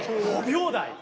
５秒台